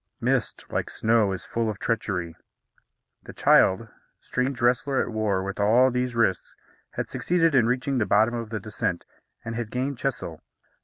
Mist, like snow, is full of treachery. The child, strange wrestler at war with all these risks, had succeeded in reaching the bottom of the descent, and had gained Chesil.